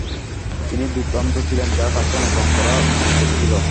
তিনি দূর্দান্ত ছিলেন যা তাকে অনুকরণ করা দুষ্কর ছিল।